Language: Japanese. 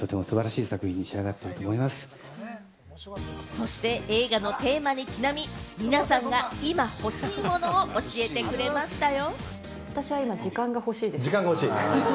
そして映画のテーマにちなみ、皆さんが今、欲しいものを教えてくれましたよ。